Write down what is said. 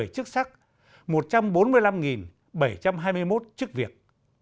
năm mươi năm bảy trăm một mươi chức sắc một trăm bốn mươi năm bảy trăm hai mươi một chức việc